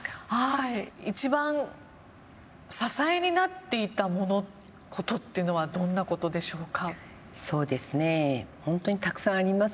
一番支えになっていたものことというのはどんなことでしょうか？